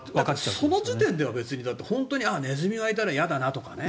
その時点では本当にネズミがいたら嫌だなとかね。